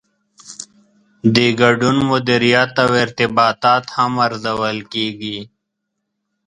د ګډون مدیریت او ارتباطات هم ارزول کیږي.